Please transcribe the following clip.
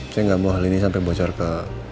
saya nggak mau hal ini sampai bocor ke